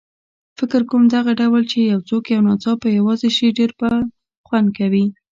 فکر کوم دغه ډول چې یو څوک یو ناڅاپه یوازې شي ډېر بدخوند کوي.